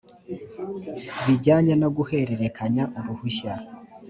bijyanye no guhererekanya uruhushya